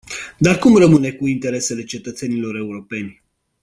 Dar cum rămâne cu interesele cetățenilor europeni?